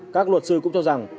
các luật sư cũng cho rằng